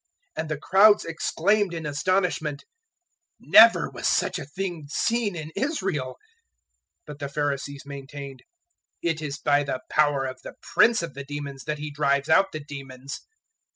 And the crowds exclaimed in astonishment, "Never was such a thing seen in Israel." 009:034 But the Pharisees maintained, "It is by the power of the Prince of the demons that he drives out the demons."